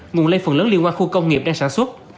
nguồn lây phần lớn liên quan khu công nghiệp đang sản xuất